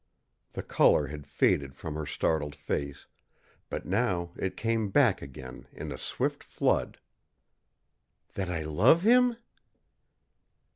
The color had faded from her startled face, but now it came back again in a swift flood. "That I love him?"